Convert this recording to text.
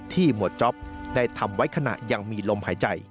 หมวดจ๊อปได้ทำไว้ขณะยังมีลมหายใจ